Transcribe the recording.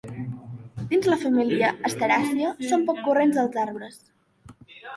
Dins la família asteràcia són poc corrents els arbres.